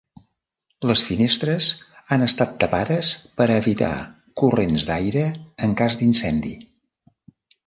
Les finestres han estat tapades per a evitar corrents d'aire en cas d'incendi.